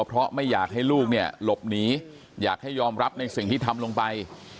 เพราะไม่อยากให้ลูกเนี่ยหลบหนีอยากให้ยอมรับในสิ่งที่ทำลงไป